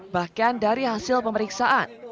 bahkan dari hasil pemerintah